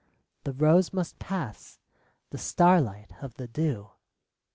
... The rose must pass, the starlight of the (Jew.